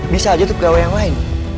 biasa aja itu pegawai yang lain